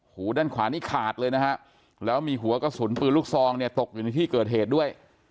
หูด้านขวานี่ขาดเลยนะฮะแล้วมีหัวกระสุนปืนลูกซองเนี่ยตกอยู่ในที่เกิดเหตุด้วย